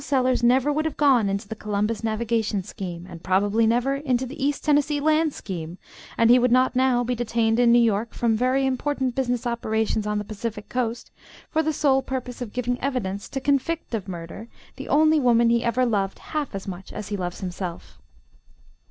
Sellers never would have gone into the Columbus Navigation scheme, and probably never into the East Tennessee Land scheme, and he would not now be detained in New York from very important business operations on the Pacific coast, for the sole purpose of giving evidence to convict of murder the only woman he ever loved half as much as he loves himself.